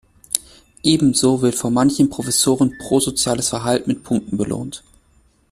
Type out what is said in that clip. Ebenso wird von manchen Professoren pro-soziales Verhalten mit Punkten belohnt.